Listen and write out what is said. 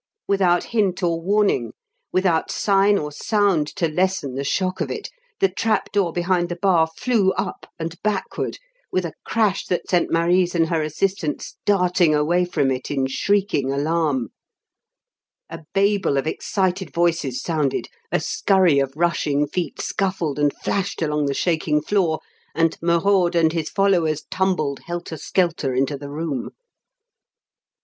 Without hint or warning, without sign or sound to lessen the shock of it, the trap door behind the bar flew up and backward with a crash that sent Marise and her assistants darting away from it in shrieking alarm; a babel of excited voices sounded, a scurry of rushing feet scuffled and flashed along the shaking floor, and Merode and his followers tumbled helter skelter into the room.